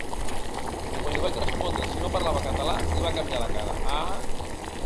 Quan li vaig respondre si no parlava català, li va canviar la cara: Ah!